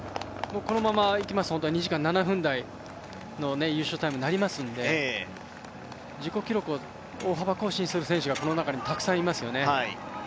このままいきますと２時間７分台の優勝タイムになりますので自己記録を大幅更新する選手がこの中にもたくさんいますよね。